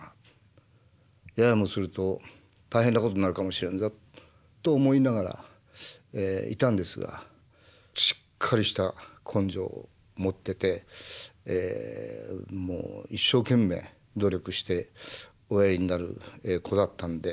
ややもすると大変なことになるかもしれんぞ」と思いながらいたんですがしっかりした根性を持っててもう一生懸命努力しておやりになる子だったんで。